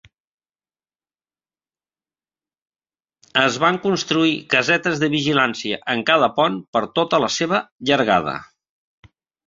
Es van construir casetes de vigilància en cada pont per tota la seva llargada.